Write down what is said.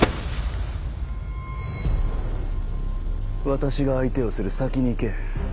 私が相手をする先に行け。